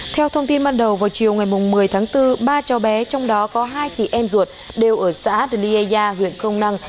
theo thông tin ban đầu vào chiều ngày một mươi tháng bốn ba cháu bé trong đó có hai chị em ruột đều ở xã dliayya huyện crong năng